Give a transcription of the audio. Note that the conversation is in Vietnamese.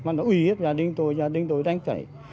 nó uy hiếp gia đình tôi gia đình tôi đánh cậy